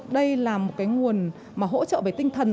đây là một cái nguồn mà hỗ trợ về tinh thần